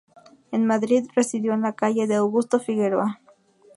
En Madrid, residió en la calle de Augusto Figueroa.